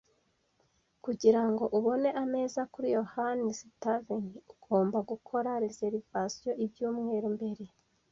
Kugirango ubone ameza kuri yohani's Tavern, ugomba gukora reservations ibyumweru mbere.